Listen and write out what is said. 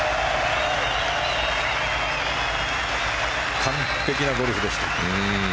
完璧なゴルフでした。